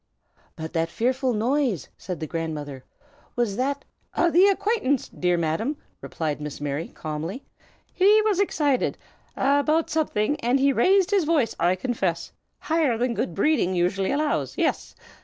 "But that fearful noise!" said the grandmother. "Was that " "The acquaintance, dear Madam!" replied Miss Mary, calmly. "He was excited! about something, and he raised his voice, I confess, higher than good breeding usually allows. Yes.